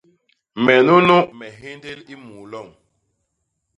Me nunu me nhéndél i muu lom.